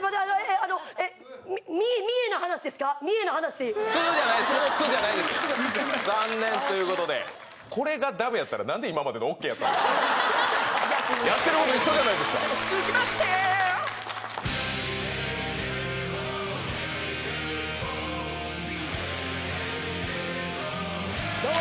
あのえっ残念ということでこれがダメやったらやってること一緒じゃないですかどうも！